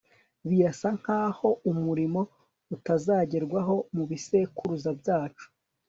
birasa nkaho umurimo utazagerwaho mubisekuruza byacu